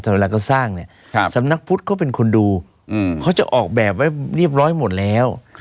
แต่เวลาเขาสร้างเนี่ยสำนักพุทธเขาเป็นคนดูเขาจะออกแบบไว้เรียบร้อยหมดแล้ว